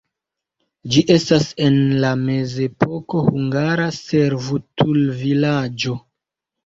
Ĝi estis en la mezepoko hungara servutulvilaĝo.